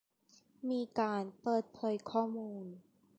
มีการเปิดเผยข้อมูล